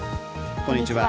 こんにちは。